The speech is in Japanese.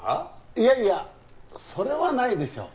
いやいやそれはないでしょう